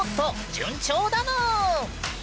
順調だぬん！